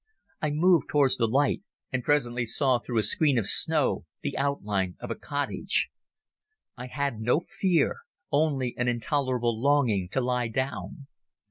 I moved towards the light and presently saw through a screen of snow the outline of a cottage. I had no fear, only an intolerable longing to lie down.